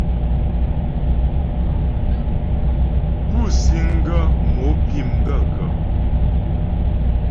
Pú síŋ ghə́ mo pí m gaə̂kə́ ?